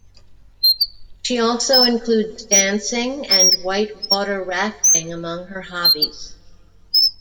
She also includes dancing and whitewater rafting among her hobbies.